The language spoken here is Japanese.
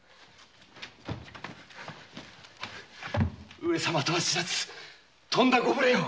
上様とは知らずとんだご無礼を。